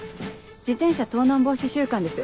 自転車盗難防止週間です。